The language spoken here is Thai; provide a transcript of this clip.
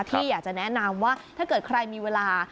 ที่อยากจะแนะนำว่าถ้าเกิดใครมีเวลา